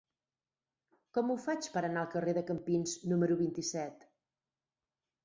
Com ho faig per anar al carrer de Campins número vint-i-set?